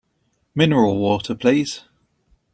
Mineral water please!